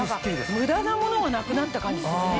ムダなものがなくなった感じするね。